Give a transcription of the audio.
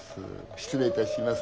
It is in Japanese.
失礼いたします。